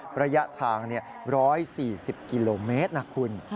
ระยะทาง๑๔๐กิโลเมตรนะคุณ